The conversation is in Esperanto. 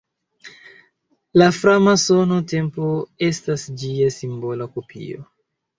La framasona templo estas ĝia simbola kopio.